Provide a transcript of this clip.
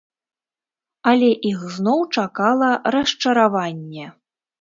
Але іх зноў чакала расчараванне.